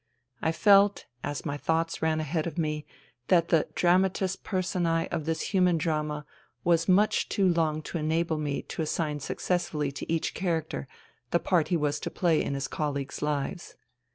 I felt, as my thoughts ran ahead of me, that the dramatis personce of this human drama was much too long to enable me to assign successfully to each character the part he was to play in his colleagues' lives.